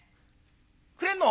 くれんの？